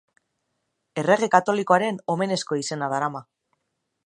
Errege Katolikoen omenezko izena darama.